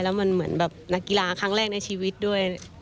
แล้วมันเหมือนแบบนักกีฬาครั้งแรกในชีวิตด้วย